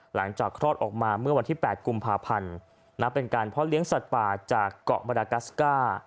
หลังจากคลอดออกมาเมื่อวันที่แปดกุมภาพันธ์นะเป็นการเพาะเลี้ยงสัตว์ป่าจากเกาะมรกัสก้า